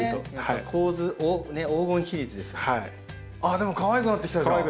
でもかわいくなってきたじゃん！